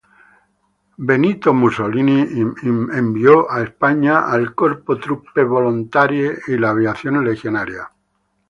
Benito Mussolini envió a España al "Corpo Truppe Volontarie" y la Aviación Legionaria.